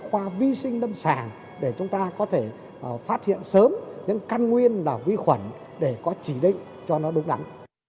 khoa vi sinh lâm sàng để chúng ta có thể phát hiện sớm những căn nguyên là vi khuẩn để có chỉ định cho nó đúng đắn